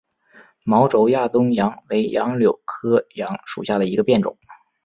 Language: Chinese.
毛轴亚东杨为杨柳科杨属下的一个变种。